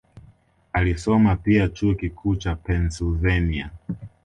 Alisoma pia Chuo Kikuu cha Pennsylvania